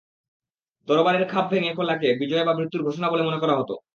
তরবারির খাপ ভেঙ্গে ফেলাকে বিজয় বা মৃত্যুর ঘোষণা বলে মনে করা হত।